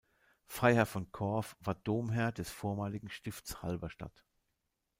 Freiherr von Korff war Domherr des vormaligen Stifts Halberstadt.